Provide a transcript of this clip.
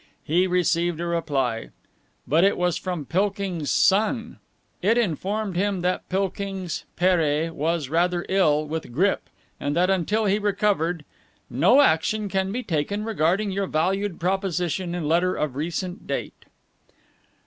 He received a reply. But it was from Pilkings's son. It informed him that Pilkings, père, was rather ill, with grippe, and that until he recovered "no action can be taken regarding your valued proposition in letter of recent date."